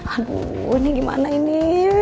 aduh ini gimana ini